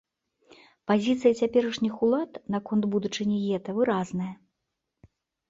Пазіцыя цяперашніх улад наконт будучыні гета выразная.